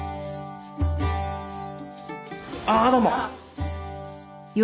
ああどうも。